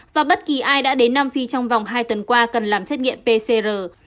và bất kỳ ai đã đến nam phi trong vòng hai tuần qua cần làm xét nghiệm pcr